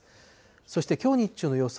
そしてきょう日中の予想